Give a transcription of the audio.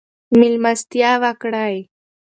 مېلمستیا وکړئ.